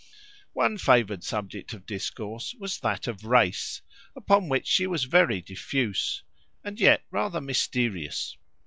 One favoured subject of discourse was that of "race," upon which she was very diffuse, and yet rather mysterious.